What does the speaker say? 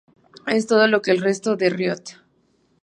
Es todo lo que el resto de "Riot!